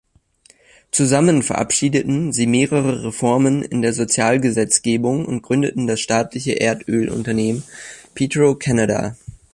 Zusammen verabschiedeten sie mehrere Reformen in der Sozialgesetzgebung und gründeten das staatliche Erdölunternehmen Petro-Canada.